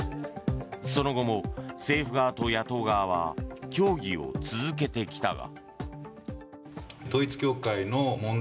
その後も、政府側と野党側は協議を続けてきたが。